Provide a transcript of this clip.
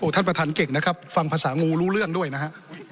ท่านประธานเก่งนะครับฟังภาษางูรู้เรื่องด้วยนะฮะ